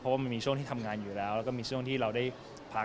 เพราะว่ามันมีช่วงที่ทำงานอยู่แล้วแล้วก็มีช่วงที่เราได้พัก